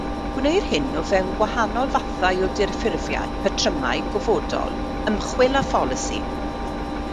Gwneir hyn o fewn gwahanol fathau o dirffurfiau, patrymau gofodol, ymchwil a pholisi.